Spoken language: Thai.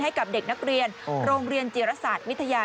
ให้กับเด็กนักเรียนโรงเรียนจิรศาสตร์วิทยา